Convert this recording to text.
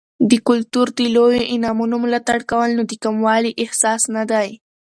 د کلتور د لویو انعامونو ملاتړ کول، نو د کموالي احساس نه دی.